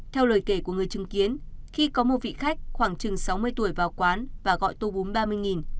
theo lời kể của người chứng kiến khi có một vị khách khoảng chừng sáu mươi tuổi vào quán và gọi tour búm ba mươi